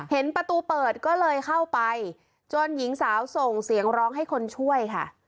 เห็นประตูเปิดก็เลยเข้าไปจนหญิงสาวส่งเสียงร้องให้คนช่วยค่ะ